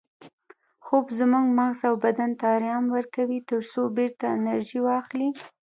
خوب زموږ مغز او بدن ته ارام ورکوي ترڅو بیرته انرژي واخلي